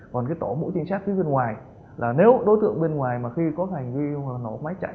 còn cái tổ mũ trinh sát phía bên ngoài là nếu đối tượng bên ngoài mà khi có hành vi nổ máy chạy